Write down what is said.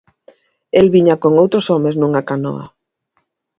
–El viña con outros homes nunha canoa.